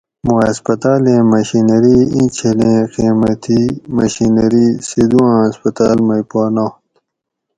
موں ہسپتالیں مشینری ایں چھلیں قیمتی مشینری سیدوآۤں ہسپتال مئی پا نات